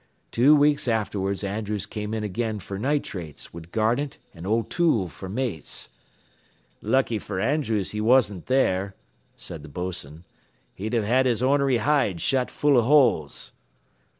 Two weeks afterwards Andrews came in again fer nitrates wid Garnett an' O'Toole fer mates " "Lucky fer Andrews he wasn't there," said the bos'n; "he'd have had his ornery hide shot full of holes."